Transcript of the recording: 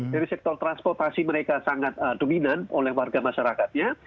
jadi sektor transportasi mereka sangat dominan oleh warga masyarakatnya